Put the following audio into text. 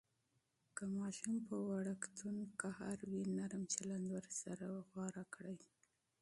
که ماشوم پر وړکتون غوصه وي، نرم چلند غوره کړئ.